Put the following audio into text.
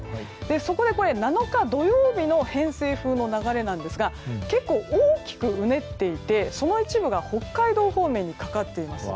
そこで７日土曜日の偏西風の流れなんですが結構大きくうねっていてその一部が北海道方面にかかっています。